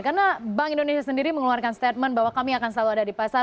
karena bank indonesia sendiri mengeluarkan statement bahwa kami akan selalu ada di pasar